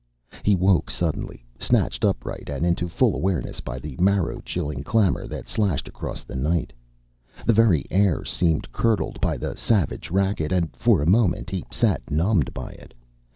He woke suddenly, snatched upright and into full awareness by the marrow chilling clamor that slashed across the night. The very air seemed curdled by the savage racket and, for a moment, he sat numbed by it.